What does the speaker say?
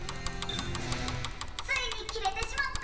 ついにきれてしまった！